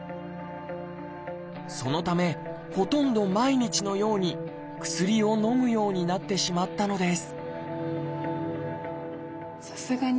そのためほとんど毎日のように薬をのむようになってしまったのです